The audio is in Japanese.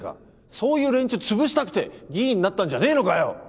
そういう連中潰したくて議員になったんじゃねぇのかよ？